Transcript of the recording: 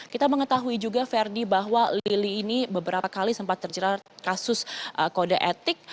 kita mengetahui juga verdi bahwa lili ini beberapa kali sempat terjerat kasus kode etik